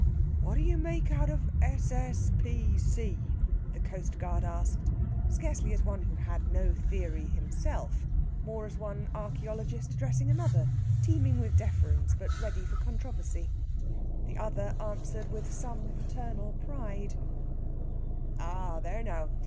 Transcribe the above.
"What do you make out of S. S. P. C.?" the coastguard asked, scarcely as one who had no theory himself, more as one archæologist addressing another, teeming with deference, but ready for controversy. The other answered with some paternal pride: "Ah, there now!